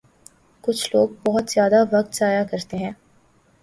کچھ لوگ بہت زیادہ وقت ضائع کرتے ہیں